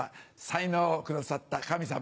才能を下さった神様